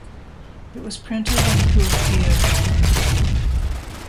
It was printed in Kuopio, Finland.